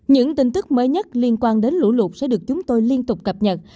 những tin tức mới nhất liên quan đến lũ lụt sẽ được chúng tôi liên tục cập nhật